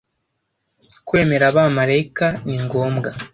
Kwemera abamarayika ni ngombwa